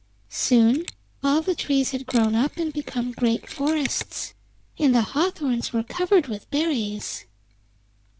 Soon all the trees had grown up and become great forests, and the hawthorns were covered with berries.